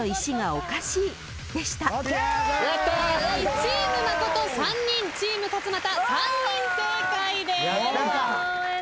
チーム真琴３人チーム勝俣３人正解です。